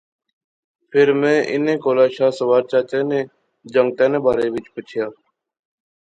فیر میں انیں کولا شاہ سوار چچا نے جنگتے نے بارے وچ پچھیا